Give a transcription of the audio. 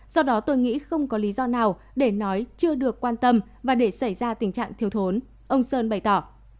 do đó tôi nghĩ không có lý do nào để nói chưa được quan tâm và để xảy ra tình trạng thiếu thốn ông sơn bày tỏ